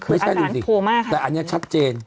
ไม่ใช่ดูสิแต่อันนี้ชัดเจน